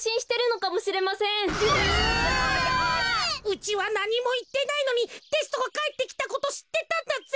うちはなにもいってないのにテストがかえってきたことしってたんだぜ！